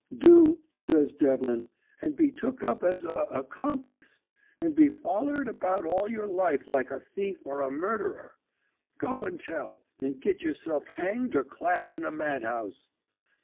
"Do," says Devlin, "and be took up as a accomplice, and be follered about all your life like a thief or a murderer. Go and tell, and git yourself hanged or clapped in a madhouse."